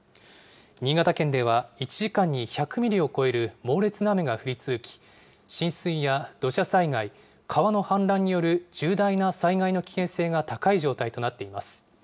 新潟県では、１時間に１００ミリを超える猛烈な雨が降り続き、浸水や土砂災害、川の氾濫による重大な災害の危険性が高い状態となっています。